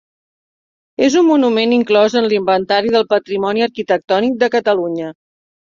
És un monument inclòs en l'Inventari del Patrimoni Arquitectònic de Catalunya.